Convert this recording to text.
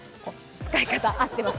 使い方合ってます。